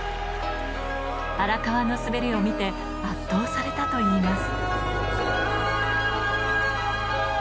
荒川の滑りを見て圧倒されたといいます